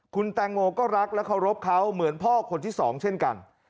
คุณแตงโมก็รักและเคารพเขาเหมือนพ่อคนที่สองเช่นกัน